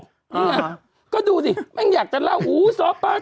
นี่ไงก็ดูสิแม่งอยากจะเล่าหูซ้อปลา